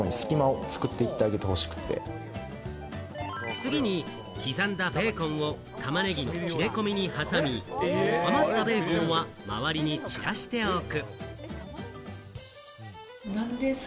次に刻んだベーコンをタマネギの切れ込みに挟み、余ったベーコンは周りに散らしておく。